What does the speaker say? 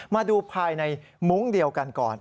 มาดูภายในมุ้งเดียวกันก่อน